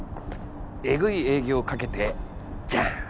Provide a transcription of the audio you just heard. えぐい営業かけてジャン！